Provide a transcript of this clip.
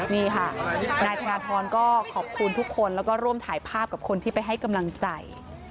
นี่ค่ะนายธนทรก็ขอบคุณทุกคนแล้วก็ร่วมถ่ายภาพกับคนที่ไปให้กำลังใจ